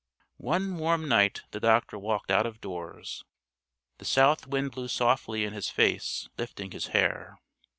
One warm night the doctor walked out of doors. The south wind blew softly in his face, lifting his hair.